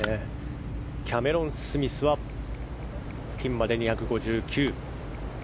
キャメロン・スミスはピンまで２５９。